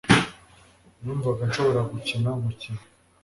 Numvaga nshobora gukina umukino.